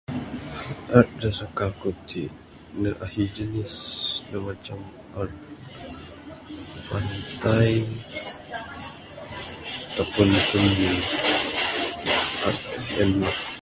Art da suka ku ti ne ahi jenis ne macam art pantai ato pun sungi. [unintelligible]